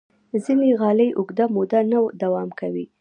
ځینې غالۍ اوږده موده نه دوام کوي.